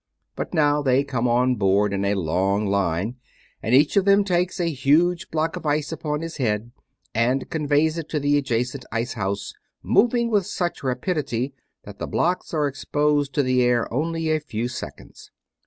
But now they come on board in a long line, and each of them takes a huge block of ice upon his head and conveys it to the adjacent ice house, moving with such rapidity that the blocks are exposed to the air only a few seconds.